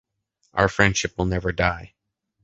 our friendship will never die